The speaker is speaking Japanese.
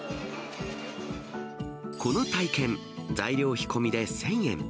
この体験、材料費込みで１０００円。